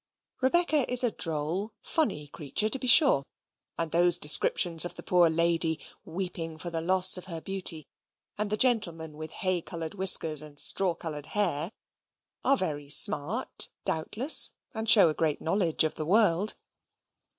Rebecca is a droll funny creature, to be sure; and those descriptions of the poor lady weeping for the loss of her beauty, and the gentleman "with hay coloured whiskers and straw coloured hair," are very smart, doubtless, and show a great knowledge of the world.